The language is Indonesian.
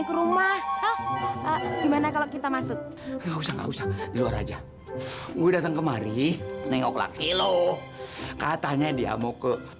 ke rumah gimana kalau kita masuk usah usah aja udah kemarin nengok lagi loh katanya dia mau ke